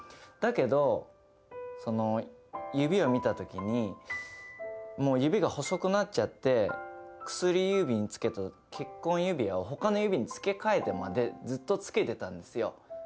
だけどその指を見た時にもう指が細くなっちゃって薬指につけてた結婚指輪を他の指につけ替えてまでずっとつけてたんですよ。